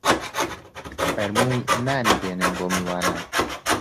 فەرمووی: نانی بێنن بۆ میوانان